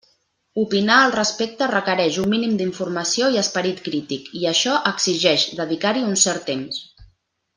Opinar al respecte requereix un mínim d'informació i esperit crític, i això exigeix dedicar-hi un cert temps.